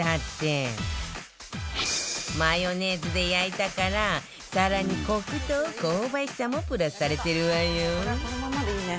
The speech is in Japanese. マヨネーズで焼いたから更にコクと香ばしさもプラスされてるわよ